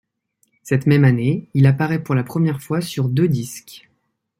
Cette même année, il apparait pour la première fois sur deux disques.